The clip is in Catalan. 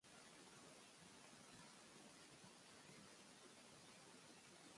El nou d'octubre en Jan i na Cora van a Loriguilla.